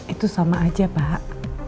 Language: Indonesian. itu sama aja pak